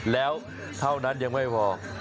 แล้วเท่านั้นยังไม่พอ